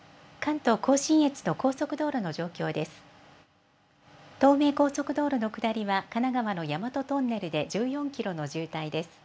東名高速道路の下りは神奈川の大和トンネルで１４キロの渋滞です。